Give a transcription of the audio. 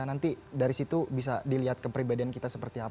nanti dari situ bisa dilihat kepribadian kita seperti apa